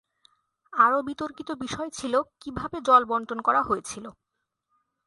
আরো বিতর্কিত বিষয় ছিল, কিভাবে জল-বণ্টন করা হয়েছিল।